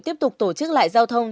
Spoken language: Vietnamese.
tiếp tục tổ chức lại giao thông